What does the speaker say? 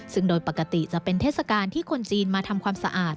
ซึ่งโดยปกติจะเป็นเทศกาลที่คนจีนมาทำความสะอาด